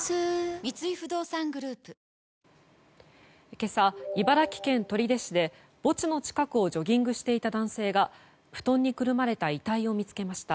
今朝、茨城県取手市で墓地の近くをジョギングしていた男性が布団にくるまれた遺体を見つけました。